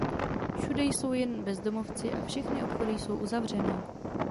Všude jsou jen bezdomovci a všechny obchody jsou uzavřené.